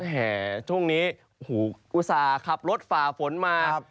แห่ช่วงนี้อุตส่าห์ขับรถฝ่าฝนมา